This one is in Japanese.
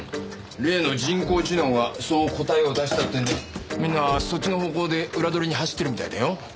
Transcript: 例の人工知能がそう答えを出したってんでみんなそっちの方向で裏取りに走ってるみたいだよ。